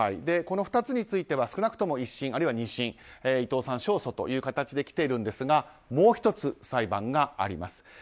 この２つについては少なくとも１審あるいは２審伊藤さん勝訴という形できていますがもう１つ裁判があります。